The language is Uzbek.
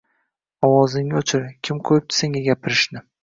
“Ovozingni o‘chir, kim qo‘yibdi senga gapirishni?!”